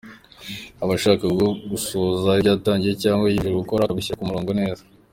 Aba ashaka gusohoza ibyo yatangiye cyangwa yiyemeje gukora akabishyira ku murongo neza .